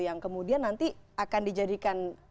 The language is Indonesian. yang kemudian nanti akan dijadikan